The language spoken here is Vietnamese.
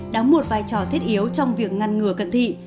đóng một vai trò thiết yếu trong việc ngăn ngừa cận thị